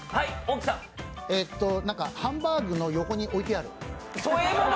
ハンバーグの横に置いてある。